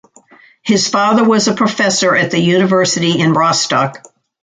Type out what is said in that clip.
His father was a professor at the university in Rostock.